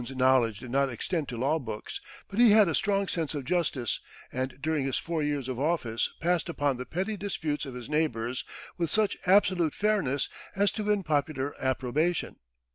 ] Boone's knowledge did not extend to law books, but he had a strong sense of justice; and during his four years of office passed upon the petty disputes of his neighbors with such absolute fairness as to win popular approbation.